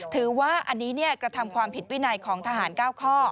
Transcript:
ถือว่าอันนี้กระทำความผิดวินัยของทหาร๙ข้อ